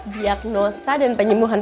diagnosa dan penyembuhan